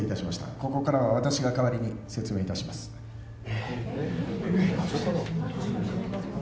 ここからは私が代わりに説明いたしますえっ